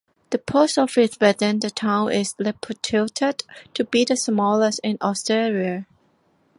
The post office within the town is reputed to be the smallest in Australia.